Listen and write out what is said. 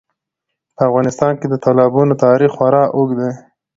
په افغانستان کې د تالابونو تاریخ خورا اوږد دی.